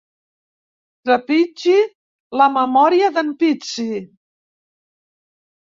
Trepitgi la memòria d'en Pizzi.